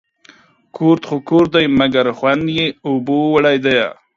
کورت خو کورت دي ، مگر خوند يې اوبو وړى دى